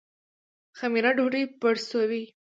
خمیره ډوډۍ پړسوي